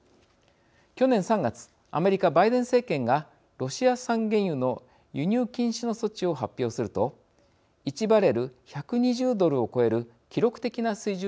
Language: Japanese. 去年３月アメリカバイデン政権がロシア産原油の輸入禁止の措置を発表すると１バレル１２０ドルを超える記録的な水準に跳ね上がりました。